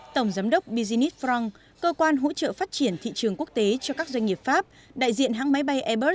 tổng giám đốc business front cơ quan hỗ trợ phát triển thị trường quốc tế cho các doanh nghiệp pháp